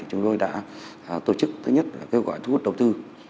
chúng tôi đã tổ chức thứ nhất kêu gọi thu hút đầu tư